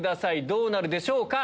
どうなるでしょうか？